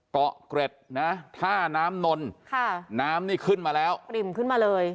เกาะเกร็ดนะท่าน้ำนนค่ะน้ำนี่ขึ้นมาแล้วปริ่มขึ้นมาเลย